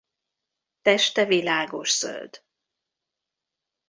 Teste világoszöld.